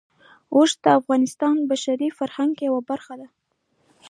اوښ د افغانستان د بشري فرهنګ یوه برخه ده.